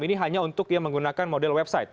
ini hanya untuk yang menggunakan model website